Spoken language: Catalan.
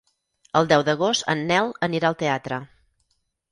El deu d'agost en Nel anirà al teatre.